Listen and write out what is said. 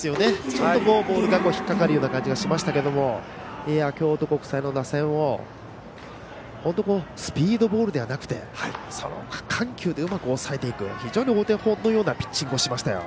ちょっとボールが引っかかるような感じがしましたけど京都国際の打線をスピードボールではなくて緩急でうまく抑えていく、非常にお手本のようなピッチングをしましたよ。